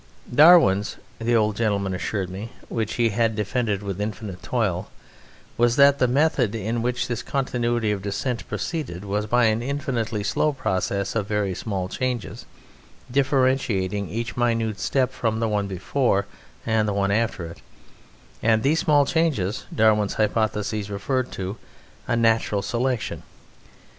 Darwin's, the old gentleman assured me, which he had defended with infinite toil, was that the method in which this continuity of descent proceeded was by an infinitely slow process of very small changes differentiating each minute step from the one before and the one after it, and these small changes Darwin's hypothesis referred to a natural selection.